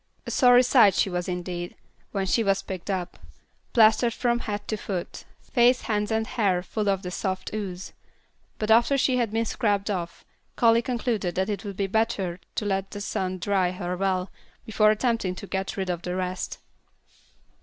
A sorry sight she was indeed, when she was picked up; plastered from head to foot; face, hands and hair full of the soft ooze. But after she had been scraped off, Callie concluded that it would be better to let the sun dry her well, before attempting to get rid of the rest.